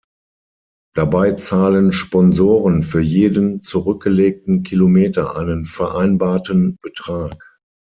Dabei zahlen „Sponsoren“ für jeden zurückgelegten Kilometer einen vereinbarten Betrag.